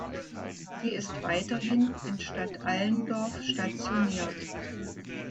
Sie ist weiterhin in Stadtallendorf stationiert.